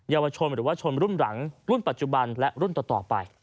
เยาวชนหรือว่าชนรุ่นหลังรุ่นปัจจุบันและรุ่นต่อไป